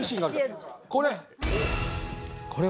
これ。